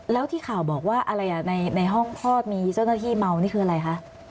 แล้วที่ข่าวบอกว่าอะไรอ่ะในห้องคลอดมีเจ้าหน้าที่เมานี่คืออะไรคะ